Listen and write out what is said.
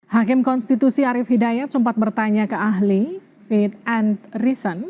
hakim konstitusi arief hidayat sempat bertanya ke ahli fit and reason